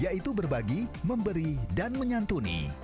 yaitu berbagi memberi dan menyantuni